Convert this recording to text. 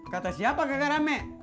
kata siapa kagak rame